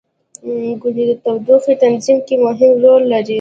• غونډۍ د تودوخې تنظیم کې مهم رول لري.